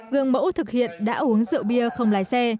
gương mẫu thực hiện đã uống rượu bia không lái xe